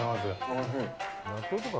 おいしい。